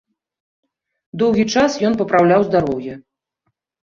Доўгі час ён папраўляў здароўе.